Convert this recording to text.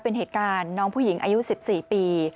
เป็นเหตุการณ์น้องผู้หญิงอายุ๑๔ปี